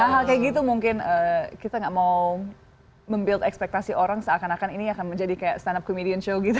hal hal kayak gitu mungkin kita gak mau mem build ekspektasi orang seakan akan ini akan menjadi kayak stand up comedian show gitu